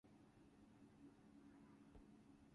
It was an omen that the flax crop would be good.